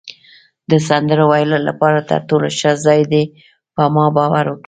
د سندرو ویلو لپاره تر ټولو ښه ځای دی، په ما باور وکړئ.